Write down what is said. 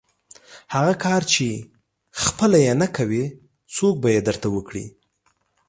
هغه کار چې خپله یې نه کوئ، څوک به یې درته وکړي؟